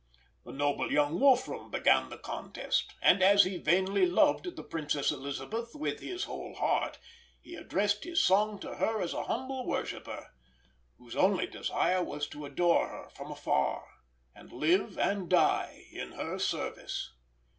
The noble young Wolfram began the contest, and as he vainly loved the Princess Elisabeth with his whole heart, he addressed his song to her as a humble worshipper, whose only desire was to adore her from afar, and live and die in her service.